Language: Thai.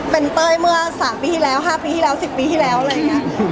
เป็นเต้ยเมื่อ๓ปีที่แล้ว๕ปีที่แล้ว๑๐ปีที่แล้วอะไรอย่างนี้